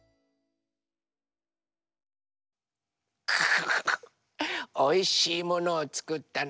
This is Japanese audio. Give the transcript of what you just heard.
フフフおいしいものをつくったの。